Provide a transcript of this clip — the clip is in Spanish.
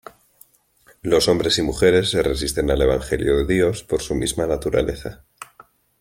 Los hombres y mujeres se resisten al evangelio de Dios por su misma naturaleza.